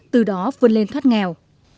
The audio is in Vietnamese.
từ đó vươn lên thoát nghèo